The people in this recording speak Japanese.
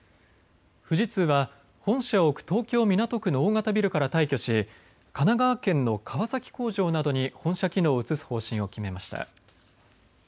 富士通は本社を置く東京港区の大型ビルから退去し神奈川県の川崎工場などに本社機能を移す方針を決めました。